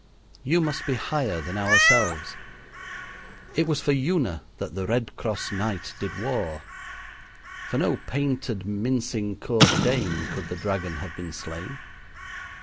You must be higher than ourselves. It was for Una that the Red Cross Knight did war. For no painted, mincing court dame could the dragon have been slain.